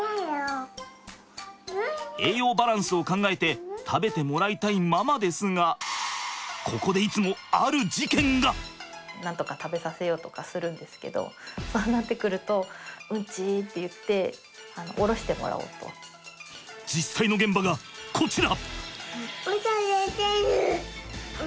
栄養バランスを考えて食べてもらいたいママですがここでいつも実際の現場がこちら。